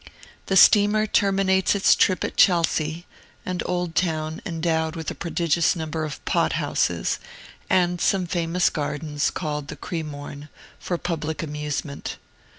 The steamer terminates its trip at Chelsea, an old town endowed with a prodigious number of pothouses, and some famous gardens, called the Cremorne, for public amusement.